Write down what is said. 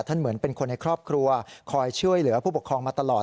เหมือนเป็นคนในครอบครัวคอยช่วยเหลือผู้ปกครองมาตลอด